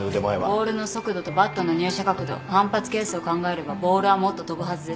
ボールの速度とバットの入射角度反発係数を考えればボールはもっと飛ぶはずです。